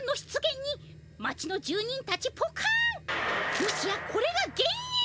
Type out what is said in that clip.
もしやこれが原いん。